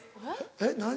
えっ？何？